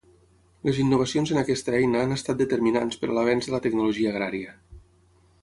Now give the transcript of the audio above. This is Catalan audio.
Les innovacions en aquesta eina han estat determinants per a l'avenç de la tecnologia agrària.